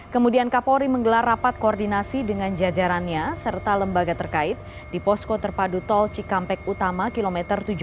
kemudian kapolri menggelar rapat koordinasi dengan jajarannya serta lembaga terkait di posko terpadu tol cikampek utama kilometer tujuh puluh dua